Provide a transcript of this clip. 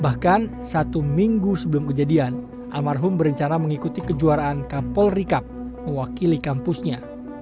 bahkan satu minggu sebelum kejadian almarhum berencana mengikuti kejuaraan kapolri cup mewakili kampusnya